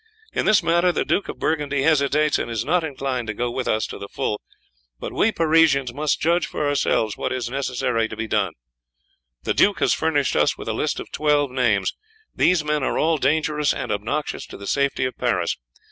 In this matter the Duke of Burgundy hesitates and is not inclined to go with us to the full, but we Parisians must judge for ourselves what is necessary to be done. The duke has furnished us with a list of twelve names; these men are all dangerous and obnoxious to the safety of Paris.